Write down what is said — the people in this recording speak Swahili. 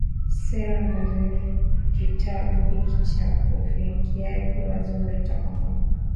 Sera na Mazoezi Kitabu hiki cha ufikiaji wazi huleta pamoja